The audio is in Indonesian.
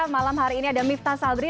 malam hari ini ada miftah sabri